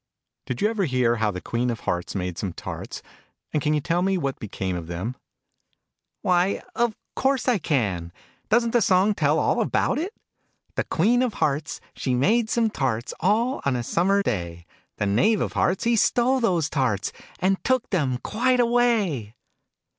Did you ever hear how the Queen of Hearts made some tarts ? And can you tell me what became of them ?" Why, of course I can ! Doesn't the song tell all about it ? The Queen of Hearts, she made some tarts : All on a summer day : The Knave of Hearts, he stole those tarts, And took them quite away